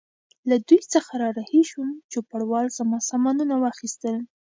له دوی څخه را رهي شوم، چوپړوال زما سامانونه واخیستل.